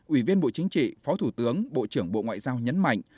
ủy viên bộ chính trị phó thủ tướng bộ trưởng bộ ngoại giao nhấn mạnh